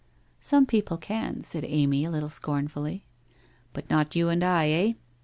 ' Some people can,' said Amy a little scornfully. ' But not you and I, eh ?